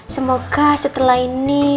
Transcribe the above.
semoga setelah ini